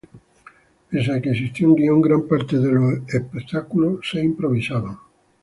Pese a que existía un guion, gran parte de los espectáculos eran improvisados.